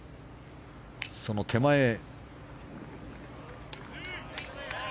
その手前へ。